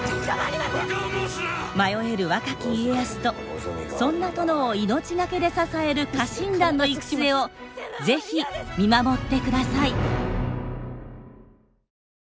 迷える若き家康とそんな殿を命懸けで支える家臣団の行く末を是非見守ってください。